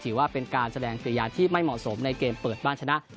ถือว่าเป็นการแสดงกิริยาที่ไม่เหมาะสมในเกมเปิดบ้านชนะ